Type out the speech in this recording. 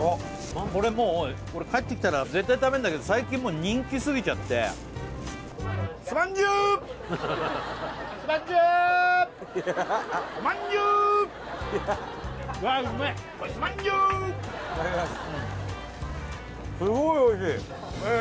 これもう俺帰ってきたら絶対食べんだけど最近もう人気すぎちゃってうわうめえ！